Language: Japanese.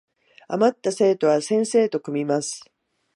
あまった生徒は先生と組みます